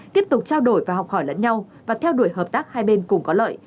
tiếp tục trao đổi và học hỏi lẫn nhau và theo đuổi hợp tác hai bên cùng có lợi